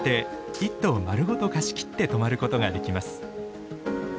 １棟丸ごと貸し切って泊まることができます。